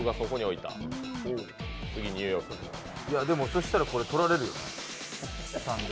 そうしたら、これ取られるよ？